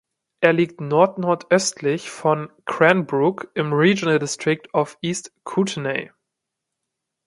Er liegt nordnordöstlich von Cranbrook im Regional District of East Kootenay.